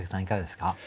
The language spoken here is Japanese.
いかがですか？